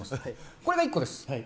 これが１個です。